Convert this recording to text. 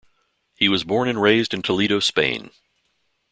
He was born and raised in Toledo, Spain.